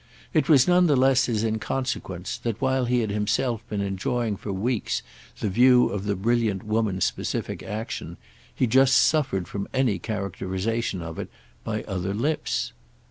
It was none the less his inconsequence that while he had himself been enjoying for weeks the view of the brilliant woman's specific action, he just suffered from any characterisation of it by other lips.